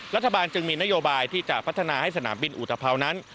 รัฐบาลจึงมีนโยบายที่จะพัฒนาให้สนามบินอุตภาวนั้น